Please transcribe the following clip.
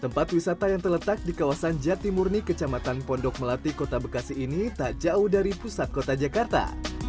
tempat wisata yang terletak di kawasan jatimurni kecamatan pondok melati kota bekasi ini tak jauh dari pusat kota jakarta